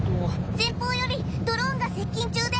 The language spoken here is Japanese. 前方よりドローンが接近中です。